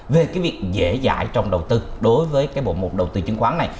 về cái việc dễ dãi trong đầu tư đối với cái bộ mục mục đầu tư chứng khoán này